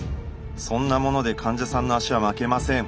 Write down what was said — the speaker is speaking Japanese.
そんなもので患者さんの足は巻けません。